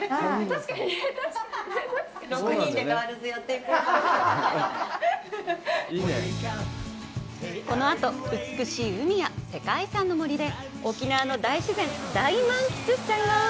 確かにこのあと美しい海や世界遺産の森で沖縄の大自然大満喫しちゃいます